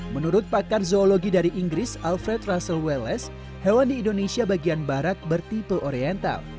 menurut pakar zoologi dari inggris alfred russelwelles hewan di indonesia bagian barat bertipe oriental